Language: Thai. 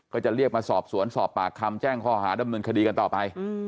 ก็จะเรียกมาสอบสวนสอบปากคำแจ้งข้อหาดำเนินคดีกันต่อไป